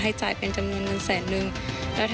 มีความรู้สึกว่า